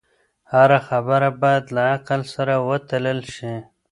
هره خبره باید له عقل سره وتلل شي.